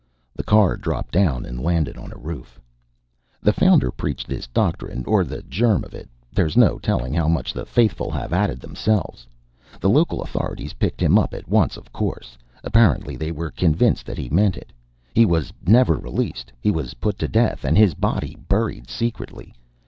The car dropped down and landed on a roof. "The Founder preached this doctrine, or the germ of it; there's no telling how much the faithful have added themselves. The local authorities picked him up at once, of course. Apparently they were convinced that he meant it; he was never released. He was put to death, and his body buried secretly.